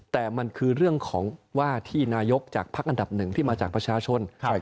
แต่มันคือเรื่องของว่าที่นายกจากพักอันดับหนึ่งที่มาจากประชาชน